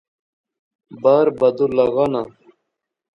بار بدُل لغا نا